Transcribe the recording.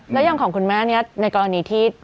แล้วอย่างของคุณแม่เนี่ยในกรณีที่